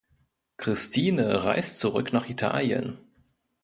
Christine reist zurück nach Italien.